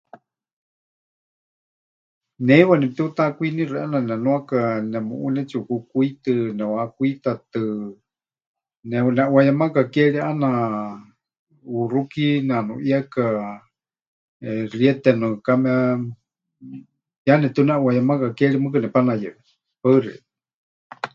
Ne heiwa nepɨtiutakwinixɨ ʼeena nenuaka, nemuʼú netsiʼukukwítɨ, neʼuhakwitatɨ, neuneʼuayemaka ke ri ʼaana, ʼuxuki neʼanuʼieka, eh, xiete nɨkame, ya netiuneʼuayemaka ke ri mɨɨkɨ nepanayewe. Paɨ xeikɨ́a.